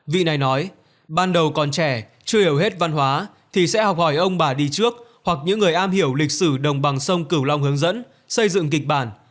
vị này nói ban đầu còn trẻ chưa hiểu hết văn hóa thì sẽ học hỏi ông bà đi trước hoặc những người am hiểu lịch sử đồng bằng sông cửu long hướng dẫn xây dựng kịch bản